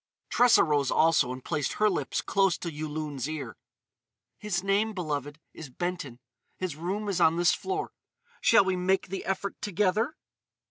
Tressa rose also and placed her lips close to Yulun's ear: "His name, beloved, is Benton. His room is on this floor. Shall we make the effort together?"